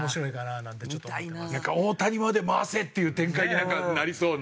なんか大谷まで回せっていう展開になんかなりそうな。